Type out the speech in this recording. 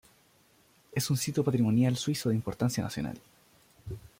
Es un sitio patrimonial suizo de importancia nacional.